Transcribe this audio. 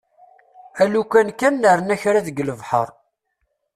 Alukan kan nerna kra deg lebḥer.